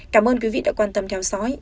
cảm ơn quý vị đã quan tâm theo dõi